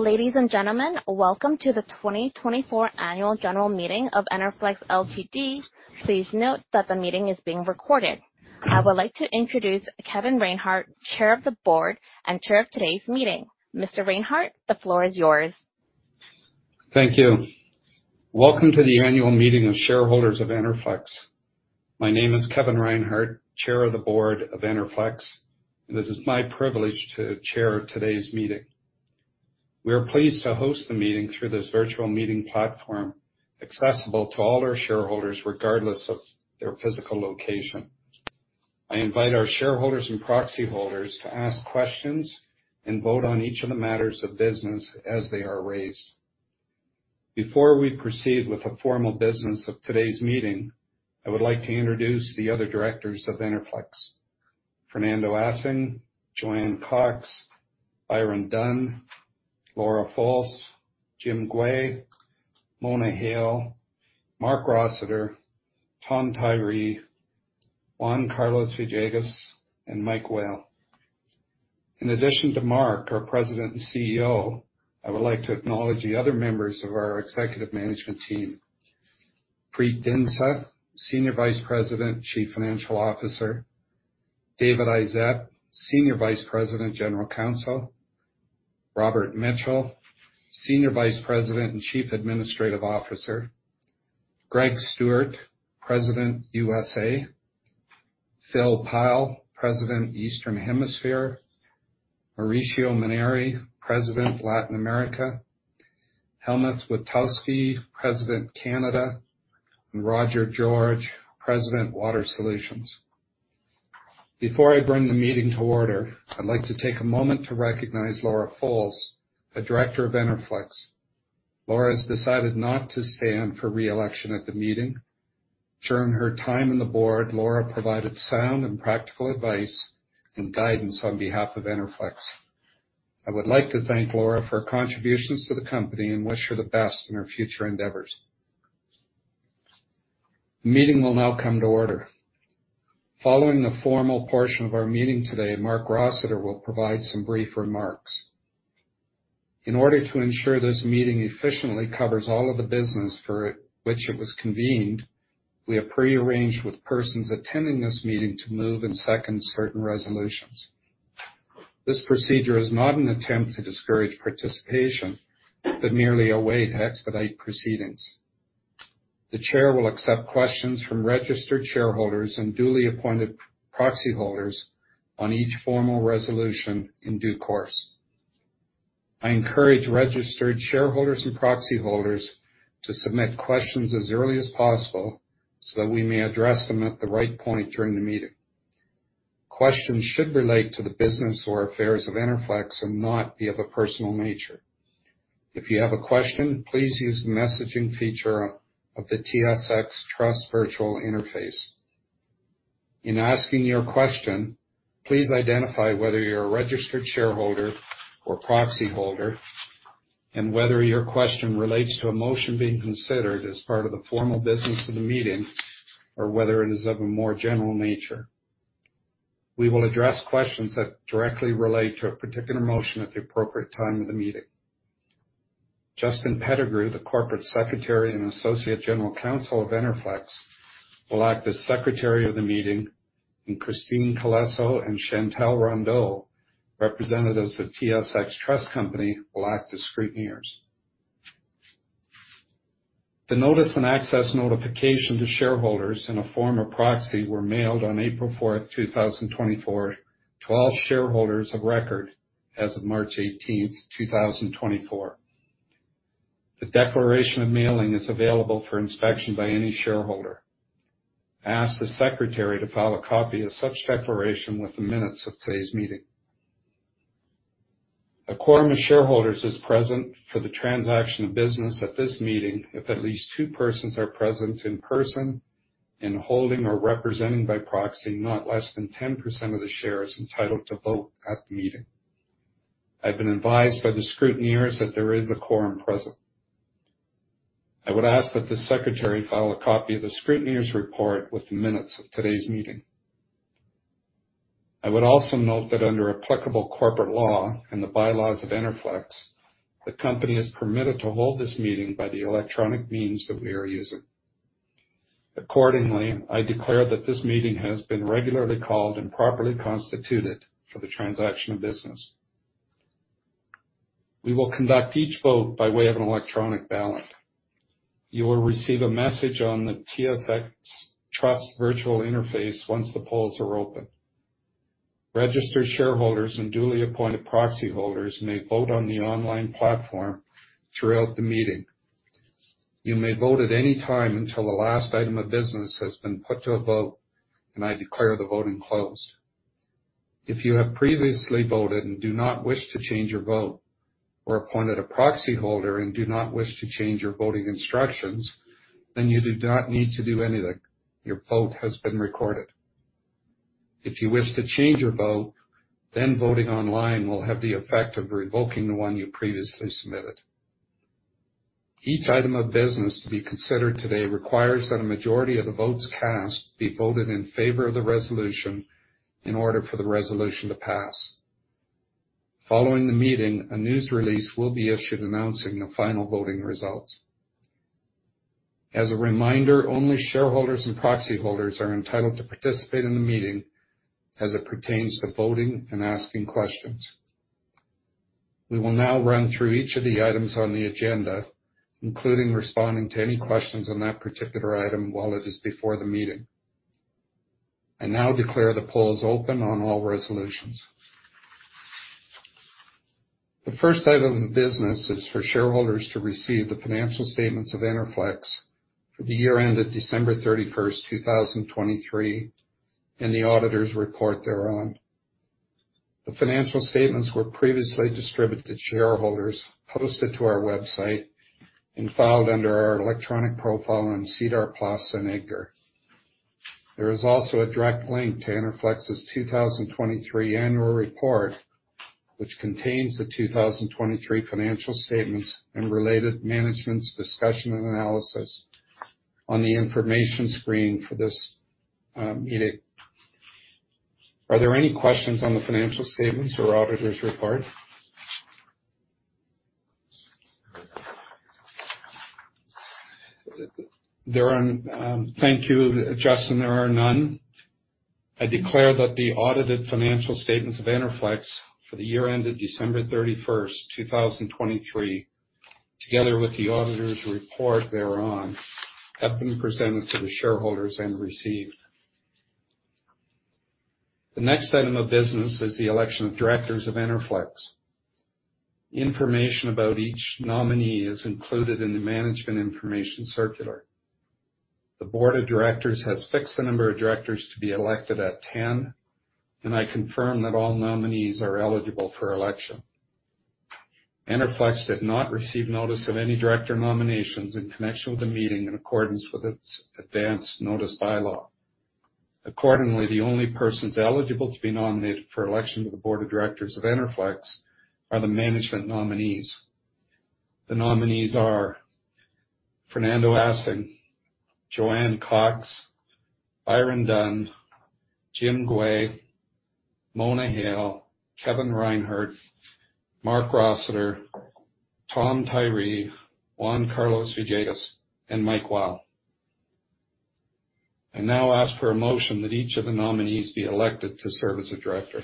Ladies and gentlemen, welcome to the 2024 annual general meeting of Enerflex Ltd. Please note that the meeting is being recorded. I would like to introduce Kevin Reinhart, Chair of the Board and Chair of today's meeting. Mr. Reinhart, the floor is yours. Thank you. Welcome to the annual meeting of shareholders of Enerflex. My name is Kevin Reinhart, Chair of the Board of Enerflex, and it is my privilege to chair today's meeting. We are pleased to host the meeting through this virtual meeting platform accessible to all our shareholders regardless of their physical location. I invite our shareholders and proxy holders to ask questions and vote on each of the matters of business as they are raised. Before we proceed with the formal business of today's meeting, I would like to introduce the other directors of Enerflex: Fernando Assing, Joanne Cox, Byron Dunn, Laura Folse, Jim Gouin, Mona Hale, Marc Rossiter, Tom Tyree, Juan Carlos Villegas, and Mike Weill. In addition to Marc, our President and CEO, I would like to acknowledge the other members of our executive management team: Preet Dhindsa, Senior Vice President, Chief Financial Officer, David Isaac, Senior Vice President, General Counsel, Robert Mitchell, Senior Vice President and Chief Administrative Officer, Greg Stewart, President USA, Phil Pyle, President Eastern Hemisphere, Mauricio Meiners, President Latin America, Helmuth Wentscher, President Canada, and Roger George, President Water Solutions. Before I bring the meeting to order, I'd like to take a moment to recognize Laura Folse, the Director of Enerflex. Laura has decided not to stand for reelection at the meeting. During her time on the board, Laura provided sound and practical advice and guidance on behalf of Enerflex. I would like to thank Laura for her contributions to the company and wish her the best in her future endeavors. The meeting will now come to order. Following the formal portion of our meeting today, Marc Rossiter will provide some brief remarks. In order to ensure this meeting efficiently covers all of the business for which it was convened, we have prearranged with persons attending this meeting to move and second certain resolutions. This procedure is not an attempt to discourage participation but merely a way to expedite proceedings. The Chair will accept questions from registered shareholders and duly appointed proxy holders on each formal resolution in due course. I encourage registered shareholders and proxy holders to submit questions as early as possible so that we may address them at the right point during the meeting. Questions should relate to the business or affairs of Enerflex and not be of a personal nature. If you have a question, please use the messaging feature of the TSX Trust Virtual Interface. In asking your question, please identify whether you're a registered shareholder or proxy holder and whether your question relates to a motion being considered as part of the formal business of the meeting or whether it is of a more general nature. We will address questions that directly relate to a particular motion at the appropriate time of the meeting. Justin Pettigrew, the Corporate Secretary and Associate General Counsel of Enerflex, will act as Secretary of the meeting, and Christine Calesse and Chantelle Rondeau, representatives of TSX Trust Company, will act as scrutineers. The notice and access notification to shareholders in the form of proxy were mailed on April 4th, 2024, to all shareholders of record as of March 18th, 2024. The declaration of mailing is available for inspection by any shareholder. I ask the Secretary to file a copy of such declaration with the minutes of today's meeting. A quorum of shareholders is present for the transaction of business at this meeting if at least two persons are present in person, holding or representing by proxy not less than 10% of the shares entitled to vote at the meeting. I've been advised by the scrutineers that there is a quorum present. I would ask that the Secretary file a copy of the scrutineers' report with the minutes of today's meeting. I would also note that under applicable corporate law and the bylaws of Enerflex, the company is permitted to hold this meeting by the electronic means that we are using. Accordingly, I declare that this meeting has been regularly called and properly constituted for the transaction of business. We will conduct each vote by way of an electronic ballot. You will receive a message on the TSX Trust Virtual Interface once the polls are open. Registered shareholders and duly appointed proxy holders may vote on the online platform throughout the meeting. You may vote at any time until the last item of business has been put to a vote, and I declare the voting closed. If you have previously voted and do not wish to change your vote, or appointed a proxy holder and do not wish to change your voting instructions, then you do not need to do anything. Your vote has been recorded. If you wish to change your vote, then voting online will have the effect of revoking the one you previously submitted. Each item of business to be considered today requires that a majority of the votes cast be voted in favor of the resolution in order for the resolution to pass. Following the meeting, a news release will be issued announcing the final voting results. As a reminder, only shareholders and proxy holders are entitled to participate in the meeting as it pertains to voting and asking questions. We will now run through each of the items on the agenda, including responding to any questions on that particular item while it is before the meeting. I now declare the polls open on all resolutions. The first item of business is for shareholders to receive the financial statements of Enerflex for the year ended December 31st, 2023, and the auditor's report thereon. The financial statements were previously distributed to shareholders, posted to our website, and filed under our electronic profile on SEDAR+ and EDGAR. There is also a direct link to Enerflex's 2023 annual report, which contains the 2023 financial statements and related Management's Discussion and Analysis on the information screen for this meeting. Are there any questions on the financial statements or auditor's report? There aren't. Thank you, Justin. There are none. I declare that the audited financial statements of Enerflex for the year ended December 31st, 2023, together with the auditor's report thereon, have been presented to the shareholders and received. The next item of business is the election of directors of Enerflex. Information about each nominee is included in the Management Information Circular. The board of directors has fixed the number of directors to be elected at 10, and I confirm that all nominees are eligible for election. Enerflex did not receive notice of any director nominations in connection with the meeting in accordance with its Advance Notice Bylaw. Accordingly, the only persons eligible to be nominated for election to the board of directors of Enerflex are the management nominees. The nominees are Fernando Assing, Joanne Cox, Byron Dunn, Jim Gouin, Mona Hale, Kevin Reinhart, Marc Rossiter, Tom Tyree, Juan Carlos Villegas, and Mike Weill. I now ask for a motion that each of the nominees be elected to serve as a director.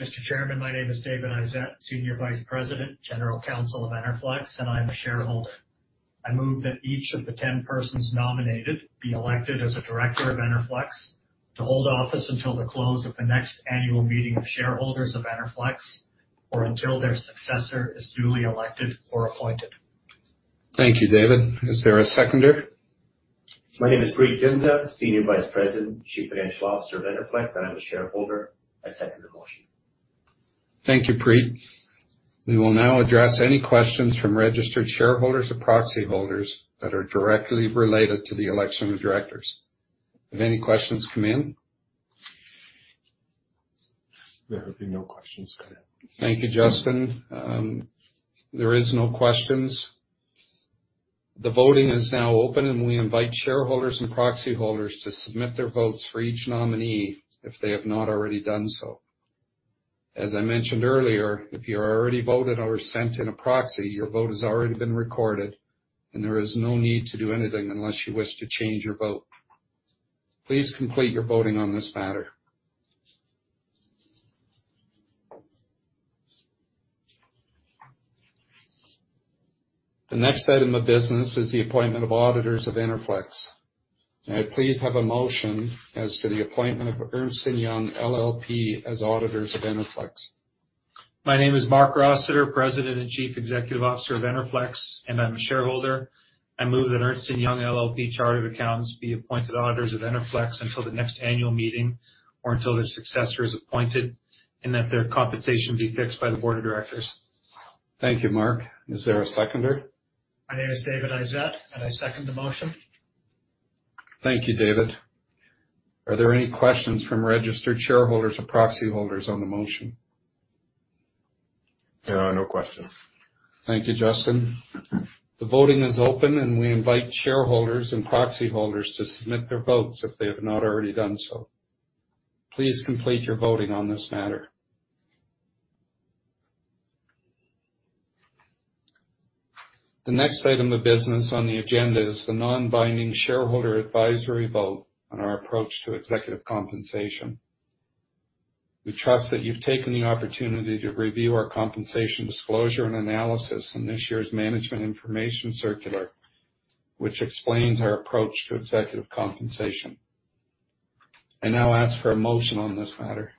Mr. Chairman, my name is David Isaac, Senior Vice President, General Counsel of Enerflex, and I'm a shareholder. I move that each of the 10 persons nominated be elected as a director of Enerflex to hold office until the close of the next annual meeting of shareholders of Enerflex or until their successor is duly elected or appointed. Thank you, David. Is there a seconder? My name is Preet Dhindsa, Senior Vice President, Chief Financial Officer of Enerflex, and I'm a shareholder. I second the motion. Thank you, Preet. We will now address any questions from registered shareholders or proxy holders that are directly related to the election of directors. Have any questions come in? There have been no questions. Thank you, Justin. There are no questions. The voting is now open, and we invite shareholders and proxy holders to submit their votes for each nominee if they have not already done so. As I mentioned earlier, if you have already voted or sent in a proxy, your vote has already been recorded, and there is no need to do anything unless you wish to change your vote. Please complete your voting on this matter. The next item of business is the appointment of auditors of Enerflex. I please have a motion as to the appointment of Ernst & Young LLP as auditors of Enerflex. My name is Marc Rossiter, President and Chief Executive Officer of Enerflex, and I'm a shareholder. I move that Ernst & Young LLP Chartered Accountants be appointed auditors of Enerflex until the next annual meeting or until their successor is appointed, and that their compensation be fixed by the board of directors. Thank you, Marc. Is there a seconder? My name is David Isaac, and I second the motion. Thank you, David. Are there any questions from registered shareholders or proxy holders on the motion? No questions. Thank you, Justin. The voting is open, and we invite shareholders and proxy holders to submit their votes if they have not already done so. Please complete your voting on this matter. The next item of business on the agenda is the non-binding shareholder advisory vote on our approach to executive compensation. We trust that you've taken the opportunity to review our compensation disclosure and analysis in this year's management information circular, which explains our approach to executive compensation. I now ask for a motion on this matter.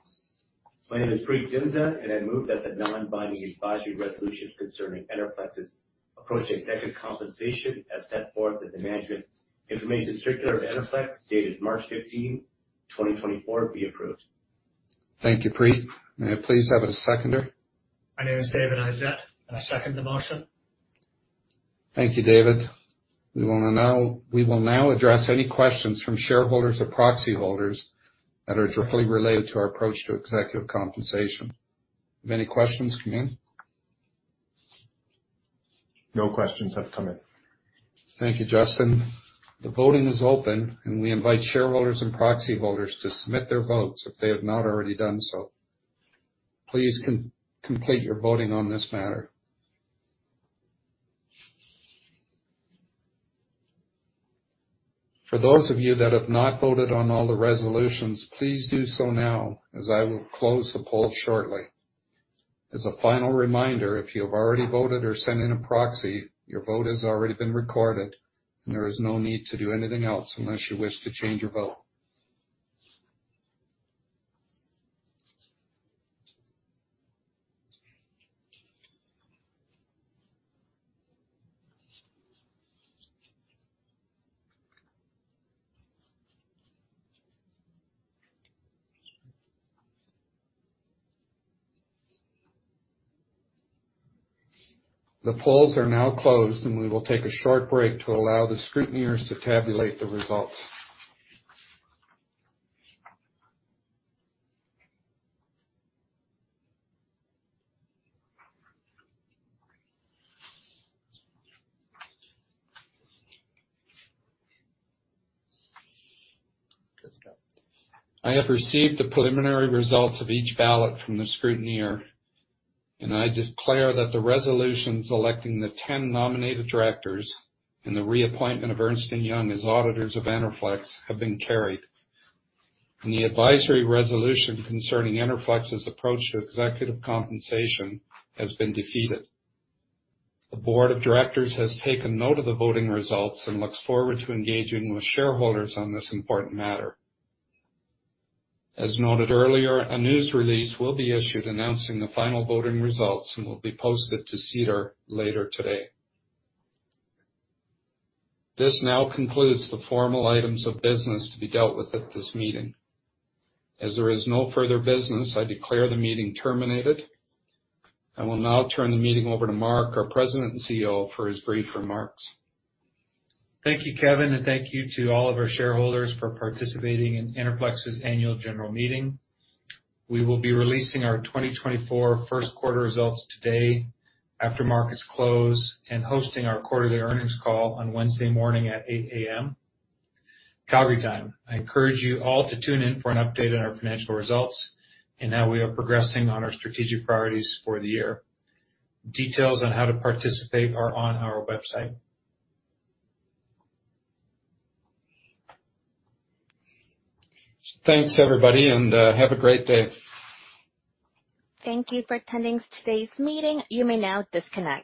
My name is Preet Dhindsa, and I move that the non-binding advisory resolution concerning Enerflex's approach to executive compensation as set forth in the management information circular of Enerflex dated March 15th, 2024, be approved. Thank you, Preet. May I please have a seconder? My name is David Isaac, and I second the motion. Thank you, David. We will now address any questions from shareholders or proxy holders that are directly related to our approach to executive compensation. Have any questions come in? No questions have come in. Thank you, Justin. The voting is open, and we invite shareholders and proxy holders to submit their votes if they have not already done so. Please complete your voting on this matter. For those of you that have not voted on all the resolutions, please do so now as I will close the polls shortly. As a final reminder, if you have already voted or sent in a proxy, your vote has already been recorded, and there is no need to do anything else unless you wish to change your vote. The polls are now closed, and we will take a short break to allow the scrutineers to tabulate the results. I have received the preliminary results of each ballot from the scrutineer, and I declare that the resolutions electing the 10 nominated directors and the reappointment of Ernst & Young as auditors of Enerflex have been carried, and the advisory resolution concerning Enerflex's approach to executive compensation has been defeated. The board of directors has taken note of the voting results and looks forward to engaging with shareholders on this important matter. As noted earlier, a news release will be issued announcing the final voting results and will be posted to SEDAR+ later today. This now concludes the formal items of business to be dealt with at this meeting. As there is no further business, I declare the meeting terminated. I will now turn the meeting over to Marc, our President and CEO, for his brief remarks. Thank you, Kevin, and thank you to all of our shareholders for participating in Enerflex's annual general meeting. We will be releasing our 2024 first quarter results today after markets close and hosting our quarterly earnings call on Wednesday morning at 8:00 A.M., Calgary time. I encourage you all to tune in for an update on our financial results and how we are progressing on our strategic priorities for the year. Details on how to participate are on our website. Thanks, everybody, and have a great day. Thank you for attending today's meeting. You may now disconnect.